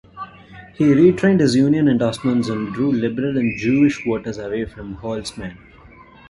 He retained his union endorsements and drew liberal and Jewish voters away from Holtzman.